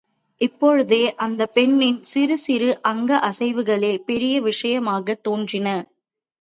இப்பொழுதோ அந்தப் பெண்ணின் சிறு சிறு அங்க அசைவுகளே பெரிய விஷயமாகத் தோன்றின.